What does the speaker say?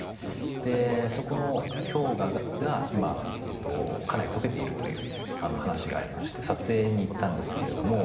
でそこの氷河が今かなり解けているという話がありまして撮影に行ったんですけれども。